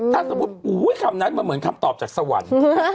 ถ้าสมมุติคำนั้นมันเหมือนคำตอบจากสวรรค์